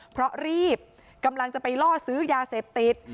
เพราะรีบกำลังจะไปล่อซื้อยาเสพติด